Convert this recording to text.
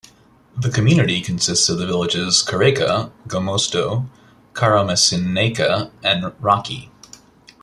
The community consists of the villages Kareika, Gomosto, Karamesineika and Rachi.